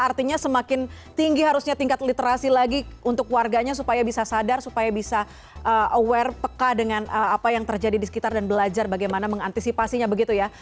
artinya semakin tinggi harusnya tingkat literasi lagi untuk warganya supaya bisa sadar supaya bisa aware peka dengan apa yang terjadi di sekitar dan belajar bagaimana mengantisipasinya begitu ya